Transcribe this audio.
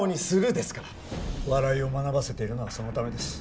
笑いを学ばせているのはそのためです。